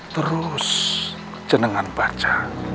terus cenengan baca